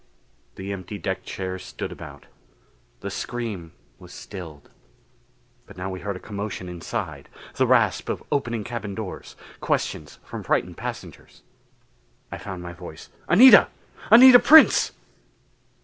The empty deck chairs stood about. The scream was stilled, but now we heard a commotion inside the rasp of opening cabin doors; questions from frightened passengers. I found my voice. "Anita! Anita Prince!"